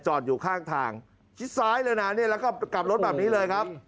อยู่ข้างทางชิดซ้ายเลยนะเนี่ยแล้วก็กลับรถแบบนี้เลยครับ